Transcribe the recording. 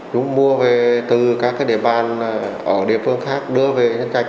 chúng mua về từ các địa bàn ở địa phương khác đưa về nhân trạch